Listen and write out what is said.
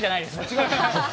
違います。